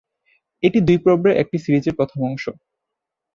এটি দুই পর্বের একটি সিরিজের প্রথম অংশ।